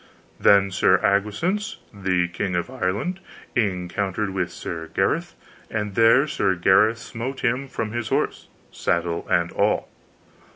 Then Sir Agwisance the King of Ireland encountered with Sir Gareth, and there Sir Gareth smote him from his horse, saddle and all.